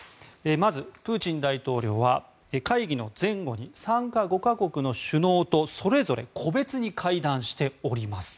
まず、プーチン大統領は会議の前後に参加５か国の首脳とそれぞれ個別に会談しております